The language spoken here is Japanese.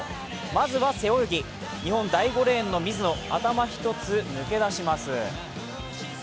まずは背泳ぎ、日本第５レーンの水野、頭一つ、抜け出します。